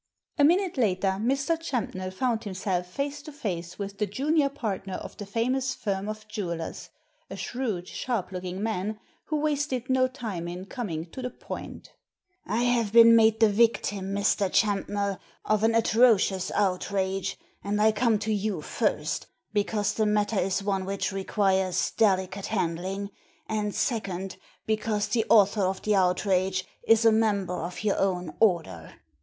A minute later Mr. Champnell found himself face to face with the junior partner of the famous firm of jewellers — a shrewd, sharp looking man, who wasted no time in coming to the point "I have been made the victim, Mr. Champnell, of an atrocious outrage, and I come to you first, because the matter is one which requires delicate handling, and second, because the author of the outrage is a member of your own order.